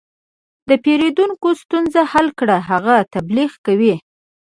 د پیرودونکي ستونزه حل کړه، هغه تبلیغ کوي.